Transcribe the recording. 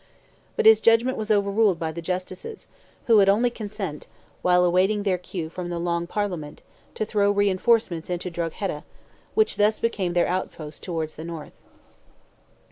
But his judgment was overruled by the Justices, who would only consent, while awaiting their cue from the Long Parliament, to throw reinforcements into Drogheda, which thus became their outpost towards the north.